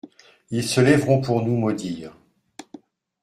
Ils se lèveront pour nous maudire.